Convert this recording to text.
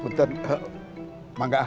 ustadz mangga ah